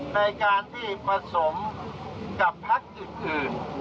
ในการที่ผสมกับพักอื่น